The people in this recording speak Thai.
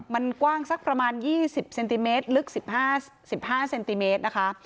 มันกว้างสักประมาณ๒๐เซนติเมตรลึก๑๕เซนติเมตรนะคะ